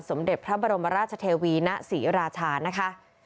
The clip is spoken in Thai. สมเด็จพระบรมราชเทวีณศรีราชานะคะ